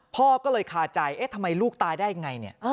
พอก็เลยคาใจทำไมลูกตายได้อย่างไร